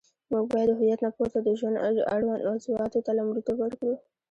موږ باید د هویت نه پورته د ژوند اړوند موضوعاتو ته لومړیتوب ورکړو.